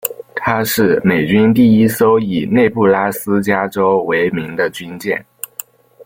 她是美军第一艘以内布拉斯加州为名的军舰。